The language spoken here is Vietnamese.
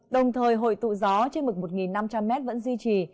đồng thời hội tụ gió trên mực một năm trăm linh m vẫn duy trì